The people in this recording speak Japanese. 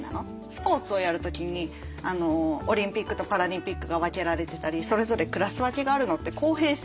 スポーツをやる時にオリンピックとパラリンピックが分けられてたりそれぞれクラス分けがあるのって公平性ですよね。